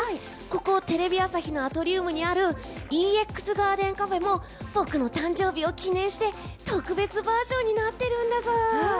ここテレビ朝日のアトリウムにあるＥＸＧＡＲＤＥＮＣＡＦＥも僕の誕生日を記念して特別バージョンになってるんだブイ！